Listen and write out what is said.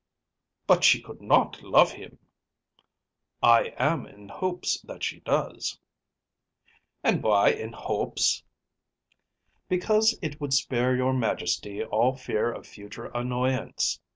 ‚ÄĚ “But she could not love him.‚ÄĚ “I am in hopes that she does.‚ÄĚ “And why in hopes?‚ÄĚ “Because it would spare your Majesty all fear of future annoyance.